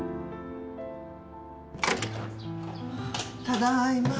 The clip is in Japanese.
ただいま。